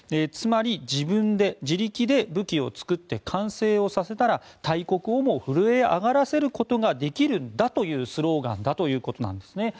つまり、自分で自力で武器を作って完成させたら大国をも震え上がらせることができるんだというスローガンだということです。